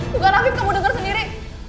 bukan hafib kamu dengar sendiri